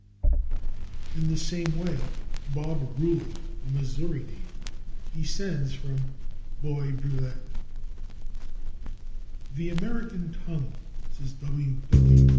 In the same way /Bob Ruly/, a Missouri name, descends from /Bois Brulé/. "The American tongue," says W. W.